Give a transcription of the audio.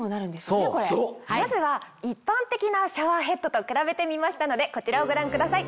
まずは一般的なシャワーヘッドと比べてみましたのでこちらをご覧ください。